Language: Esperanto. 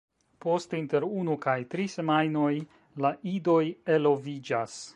Post inter unu kaj tri semajnoj la idoj eloviĝas.